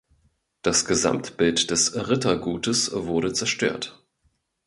Das Gesamtbild des Rittergutes wurde zerstört.